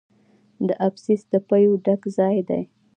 د ابسیس د پیو ډک ځای دی.